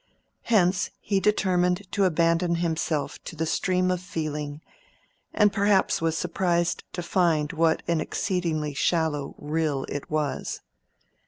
Hence he determined to abandon himself to the stream of feeling, and perhaps was surprised to find what an exceedingly shallow rill it was.